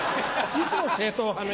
いつも正統派の。